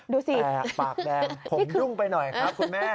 ดูสิปากแดงผมรุ่งไปหน่อยครับคุณแม่